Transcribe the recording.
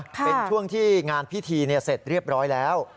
เป็นช่วงที่งานพิธีเสร็จเรียบร้อยแล้ว